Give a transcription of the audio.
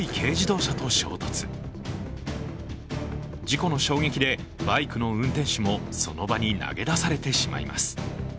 事故の衝撃でバイクの運転手もその場に投げ出されてしまいます。